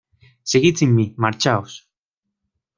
Seguid sin mí. Marchaos.